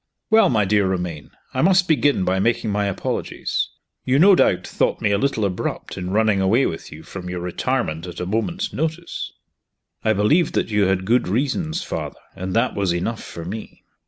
Well, my dear Romayne, I must begin by making my apologies. You no doubt thought me a little abrupt in running away with you from your retirement at a moment's notice?" "I believed that you had good reasons, Father and that was enough for me."